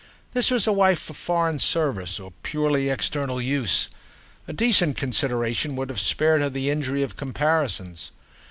This was a wife for foreign service or purely external use; a decent consideration would have spared her the injury of comparisons.